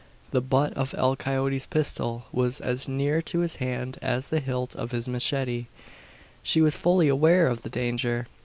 The butt of El Coyote's pistol was as near to his hand as the hilt of his machete. She was fully aware of the danger.